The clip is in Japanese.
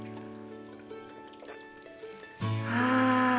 ああ。